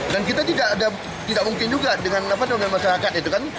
dan kita tidak mungkin juga dengan masyarakat itu kan